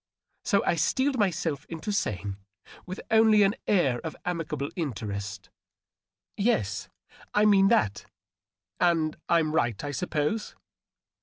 So I steeled myself into saying, with only an air of amicable interest, —" Yes, I mean that. And I'm right, I suppose